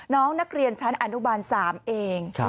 น้องนักเรียนชั้นอนุบาล๓เอง